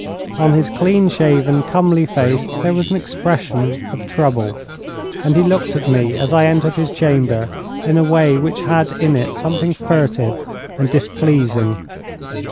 On his clean shaven, comely face there was an expression of trouble, and he looked at me as I entered his chamber in a way which had in it something furtive and displeasing.